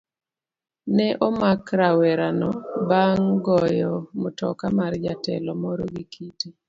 Ne omak rawerano bang' goyo mtoka mar jatelo moro gi kite